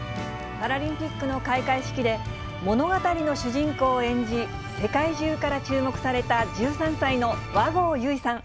パラリンピックの開会式で、物語の主人公を演じ、世界中から注目された１３歳の和合由依さん。